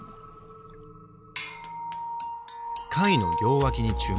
貝の両脇に注目。